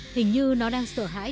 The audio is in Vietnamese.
hình như nó đang sợ hãi